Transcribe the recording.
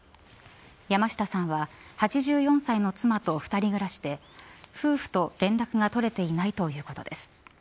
山下さんは８４歳の妻と２人暮らしで夫婦と連絡が取れていないということです。